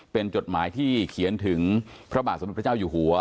เป็นจดหมายที่เขียนถึงพระบาทสมเด็จพระเจ้าอยู่หัว